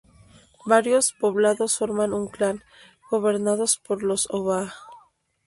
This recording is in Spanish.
Varios poblados formarán un clan, gobernados por los Oba.